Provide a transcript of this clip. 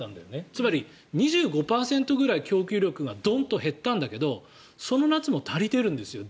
つまり２５％くらい供給力がドンと減ったんだけどその夏も足りているんですよ